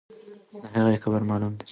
د هغې قبر معلوم دی.